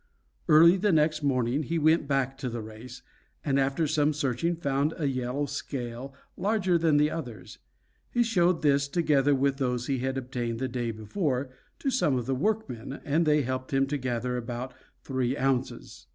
Early the next morning he went back to the race, and after some searching found a yellow scale larger than the others. He showed this, together with those he had obtained the day before, to some of the workmen, and they helped him to gather about three ounces.